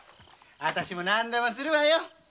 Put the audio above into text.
あたしも何でもするわよ。